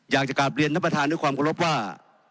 อยากจะกลับเรียนท่านประธานด้วยความเคารพว่า